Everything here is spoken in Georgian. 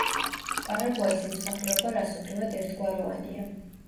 პარაგვაის მოსახლეობა რასობრივად ერთგვაროვანია.